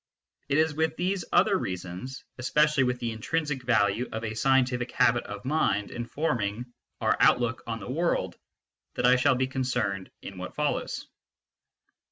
It is with these other reasons, especially with the in trinsic value of a scientific habit of mind in forming our outlook on the world, that I shall be concerned in what follows.